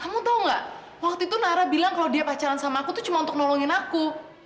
kamu tahu nggak waktu itu nara bilang kalau dia pacaran sama aku itu cuma untuk nolongin aku